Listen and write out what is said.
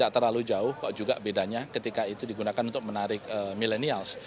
tidak terlalu jauh kok juga bedanya ketika itu digunakan untuk menarik milenials